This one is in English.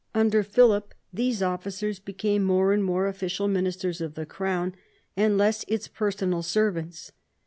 Under Philip these officers became more and more official ministers of the crown and less its personal servants.